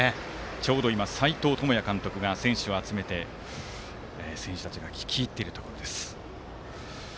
ちょうど今斎藤智也監督が選手を集めて、選手たちが聞き入っているところです。